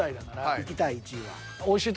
いきたい１位は。